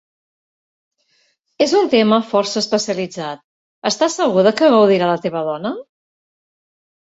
És un tema força especialitzat, estàs segur de què gaudirà la teva dona?